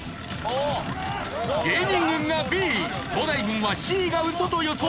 芸人軍がＢ東大軍はＣがウソと予想。